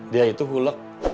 dia itu hulek